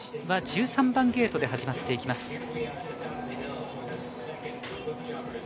１３番ゲートで始まっていきます。